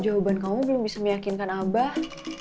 jawaban kamu belum bisa meyakinkan abah